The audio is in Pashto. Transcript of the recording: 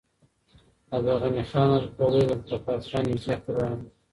عبدالغني خان الکوزی د ذوالفقار خان نږدې خپلوان و.